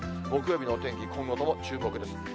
木曜日のお天気、今後とも注目です。